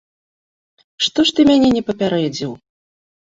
Што ж ты мяне не папярэдзіў?!